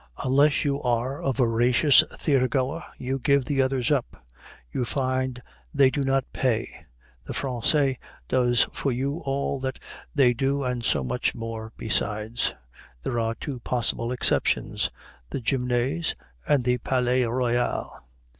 Unless you are a voracious theater goer you give the others up; you find they do not "pay"; the Français does for you all that they do and so much more besides. There are two possible exceptions the Gymnase and the Palais Royal.